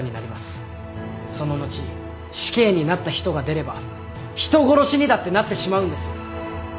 その後死刑になった人が出れば人殺しにだってなってしまうんです。